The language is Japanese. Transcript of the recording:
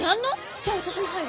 じゃあ私も入る！